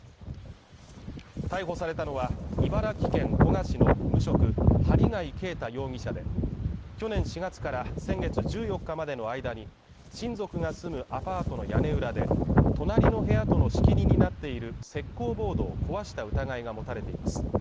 逮捕されたのは、茨城県古河市の無職、針谷啓太容疑者で、去年４月から先月１４日までの間に、親族が住むアパートの屋根裏で隣の部屋との仕切りになっている石膏ボードを壊した疑いが持たれています。